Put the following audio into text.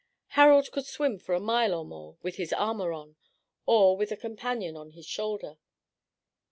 Harald could swim for a mile or more with his armor on, or with a companion on his shoulder.